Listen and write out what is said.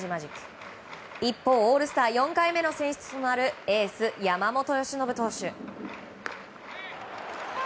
一方、オールスター４回目の選出となるエースの山本由伸投手。